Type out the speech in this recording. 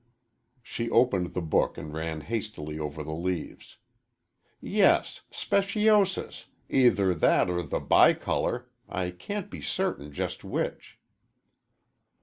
She opened the book and ran hastily over the leaves. "Yes, speciosus either that or the bicolor I can't be certain just which."